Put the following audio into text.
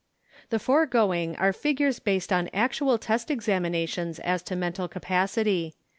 The foregoing are figures based on actual test examina tions as to mental capacity.